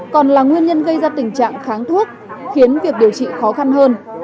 còn là nguyên nhân gây ra tình trạng kháng thuốc khiến việc điều trị khó khăn hơn